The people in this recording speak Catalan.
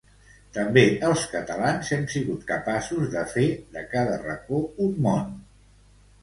També els catalans hem sigut capaços de fer de cada racó un món.